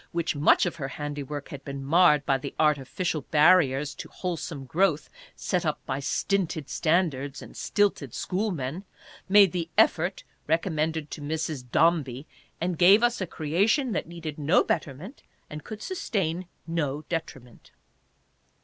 which much of her handiwork had been marred by the artificial barriers to wholesome growth set up by stinted standards and stilted schoolmen, made the "effort" recommended to Mrs. Dombey, and gave us a creation that needed no betterment and could sustain no detriment.